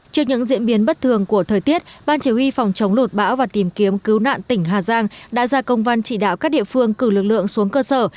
trước những diễn biến bất thường của thời tiết ban chỉ huy phòng chống lột bão và tìm kiếm cứu nạn tỉnh hà giang đã ra công văn chỉ đạo các địa phương cử lực lượng xuống cơ sở